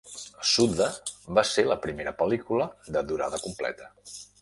Suddha va ser la seva primera pel·lícula de durada completa.